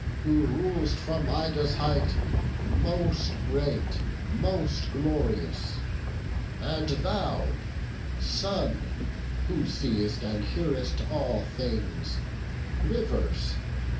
who rul'st from Ida's height, Most great! most glorious! and thou Sun, who see'st And hearest all things! Rivers!